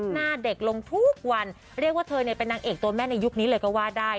หน้าเด็กลงทุกวันเรียกว่าเธอเนี่ยเป็นนางเอกตัวแม่ในยุคนี้เลยก็ว่าได้